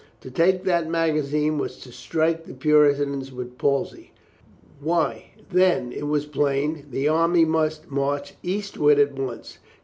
To take that magazine was to strike the Puritans with palsy. Why, then, it was plain the army must march eastward at once.